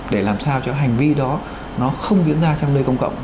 để làm sao cho hành vi đó nó không diễn ra trong nơi công cộng